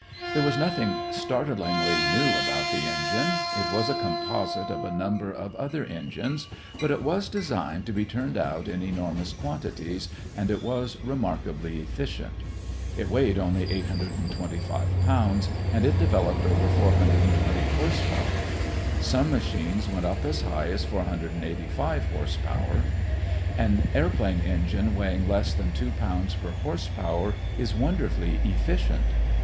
There was nothing startlingly new about the engine. It was a composite of a number of other engines, but it was designed to be turned out in enormous quantities, and it was remarkably efficient. It weighed only 825 pounds and it developed over 420 horse power. Some machines went up as high as 485 horse power. An airplane engine weighing less than 2 pounds per horse power is wonderfully efficient.